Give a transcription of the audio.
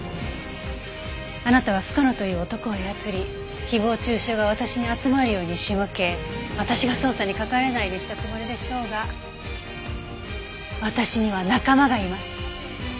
あなたは深野という男を操り誹謗中傷が私に集まるように仕向け私が捜査に関われないようにしたつもりでしょうが私には仲間がいます。